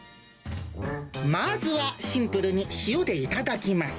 まずはシンプルに塩でいただきます。